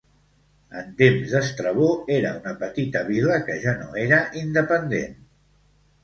En temps d'Estrabó era una petita vila que ja no era independent.